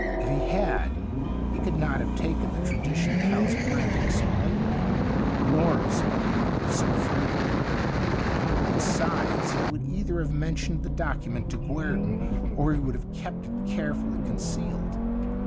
If he had, he could not have taken the tradi tion of Hal's Planting so lightly, nor have spoken of it so freely. Besides, he would either have men tioned the document to Guerdon, or he would have kept it carefully concealed.